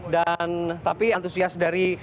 dan tapi antusias dari